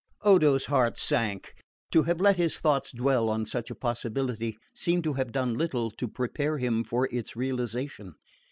Odo's heart sank. To have let his thoughts dwell on such a possibility seemed to have done little to prepare him for its realisation.